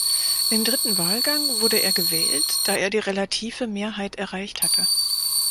Im dritten Wahlgang wurde er gewählt, da er die relative Mehrheit erreicht hatte.